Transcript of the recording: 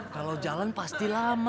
kalau jalan pasti lama